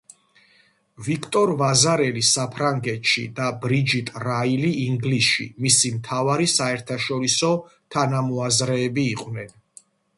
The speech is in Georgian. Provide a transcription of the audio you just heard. ვიქტორ ვაზარელი საფრანგეთში და ბრიჯიტ რაილი ინგლისში მისი მთავარი საერთაშორისო თანამოაზრეები იყვნენ.